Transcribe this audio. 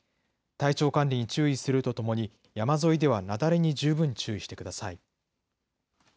体調管理に注意するとともに、山沿いでは雪崩に十分注意してください。